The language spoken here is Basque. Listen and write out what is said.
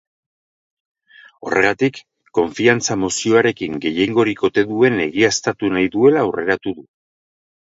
Horregatik, konfiantza mozioarekin gehiengorik ote duen egiaztatu nahi duela aurreratu du.